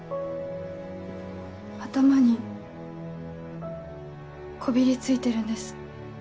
頭にこびり付いてるんです。